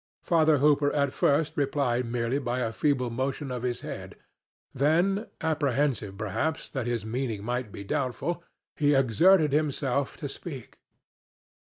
Father Hooper at first replied merely by a feeble motion of his head; then—apprehensive, perhaps, that his meaning might be doubtful—he exerted himself to speak.